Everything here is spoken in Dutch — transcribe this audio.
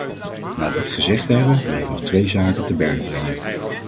Na dit gezegd te hebben, wil ik nog twee zaken te berde brengen.